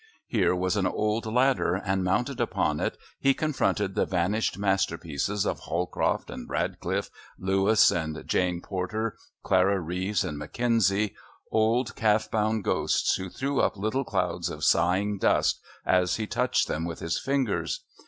Here was an old ladder, and, mounted upon it, he confronted the vanished masterpieces of Holcroft and Radcliffe, Lewis and Jane Porter, Clara Reeve and MacKenzie, old calf bound ghosts who threw up little clouds of sighing dust as he touched them with his fingers.